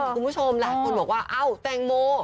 คุณผู้ชมหลายคนบอกว่าเอ้าแตงโม